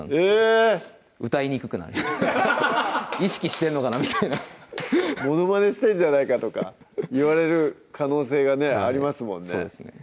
えぇ歌いにくくなる意識してんのかなみたいな「ものまねしてんじゃないか」とか言われる可能性がありますもんね